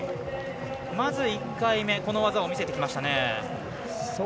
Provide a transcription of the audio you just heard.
１回目、この技を見せてきました。